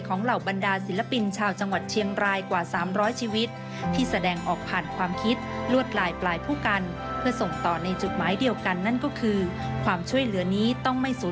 ของเหล่าบรรดาศิลปินชาวจังหวัดเชียงรายกว่าสามร้อยชีวิต